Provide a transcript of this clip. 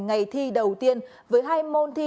ngày thi đầu tiên với hai môn thi